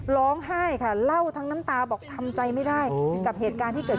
ร้องไห้ค่ะเล่าทั้งน้ำตาบอกทำใจไม่ได้กับเหตุการณ์ที่เกิด